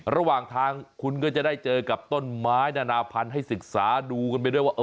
ระหว่างทางคุณก็จะได้เจอกับต้นไม้นานาพันธุ์ให้ศึกษาดูกันไปด้วยว่า